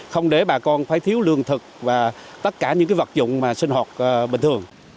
không để bà con phải thiếu lương thực và tất cả những vật dụng mà sinh hoạt bình thường